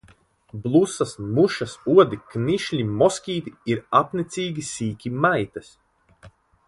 Blusas, mušas, odi, knišļi, moskīti ir apnicīgi sīki maitas.